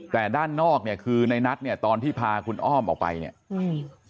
แต่ด้านนอกเนี่ยคือในนัทเนี่ยตอนที่พาคุณอ้อมออกไปเนี่ยอืม